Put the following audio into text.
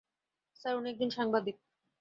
Sir, উনি একজন সাংবাদিক।